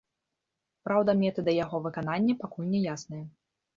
Праўда, метады яго выканання пакуль няясныя.